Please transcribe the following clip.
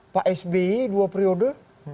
pak sbi dua periode